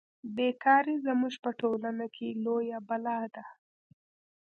بې کاري زموږ په ټولنه کې لویه بلا ده